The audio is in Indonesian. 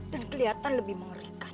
dan kelihatan lebih mengerikan